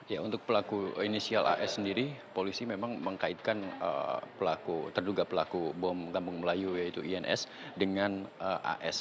ya untuk pelaku inisial as sendiri polisi memang mengkaitkan pelaku terduga pelaku bom kampung melayu yaitu ins dengan as